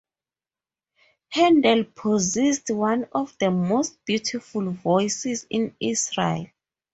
Hendel possessed one of the most beautiful voices in Israel.